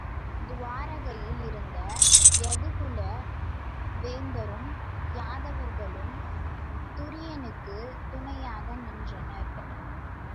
துவாரகையில் இருந்த யது குல வேந்தரும் யாதவர்களும் துரியனுக்குத் துணையாக நின்றனர்.